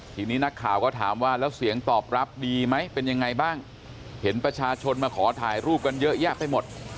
ทีนี้นักข่าวก็ถามว่าแล้วเสียงตอบรับดีไหมเป็นยังไงบ้างเห็นประชาชนมาขอถ่ายรูปกันเยอะแยะไปหมด